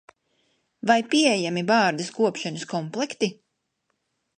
Vai pieejami bārdas kopšanas komplekti?